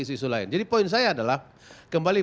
isu isu lain jadi poin saya adalah kembali